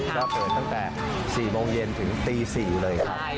ก็เปิดตั้งแต่๔โมงเย็นถึงตี๔เลยครับ